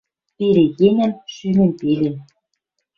Перегенӓм шӱмем пелен